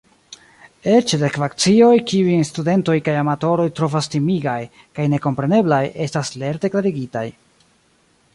Eĉ la ekvacioj, kiujn studentoj kaj amatoroj trovas timigaj kaj nekompreneblaj, estas lerte klarigitaj.